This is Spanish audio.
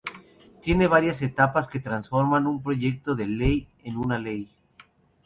Tiene varias etapas que transforman un proyecto de ley en una ley.